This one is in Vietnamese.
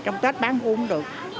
trong tết bán mua không được